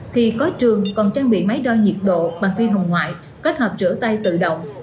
thì có trường còn trang bị máy đo nhiệt độ bằng vi hồng ngoại kết hợp rửa tay tự động